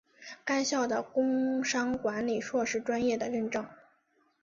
该校的工商管理硕士专业的认证。